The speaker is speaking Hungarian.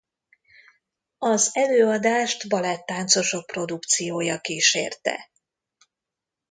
Az előadást balett-táncosok produkciója kísérte.